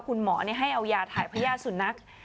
คุณหมอเนี่ยให้เอายาทายพญาติสุนัคร